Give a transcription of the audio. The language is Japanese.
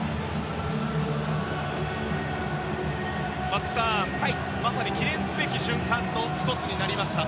松木さん、まさに記念すべき瞬間の１つになりました。